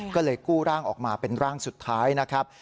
ก็เลยกู้ร่างออกมาเป็นร่างสุดท้ายนะครับ